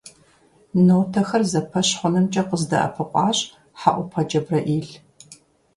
Нотэхэр зэпэщ хъунымкӀэ къыздэӀэпыкъуащ ХьэӀупэ ДжэбрэӀил.